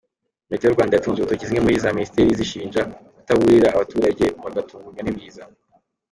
Meteo Rwanda yatunze urutoki zimwe muri za Minisiteri izishinja kutaburira abaturage bagatungurwa n’ibiza.